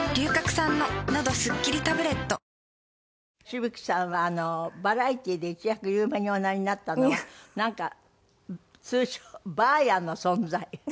紫吹さんはバラエティーで一躍有名におなりになったのはなんか通称ばあやの存在。